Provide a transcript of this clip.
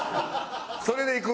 それでいく？